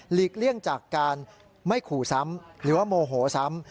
เลี่ยงจากการไม่ขู่ซ้ำหรือว่าโมโหซ้ำ